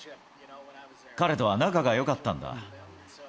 彼とは仲がよかったんだ。